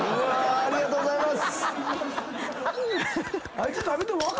ありがとうございます！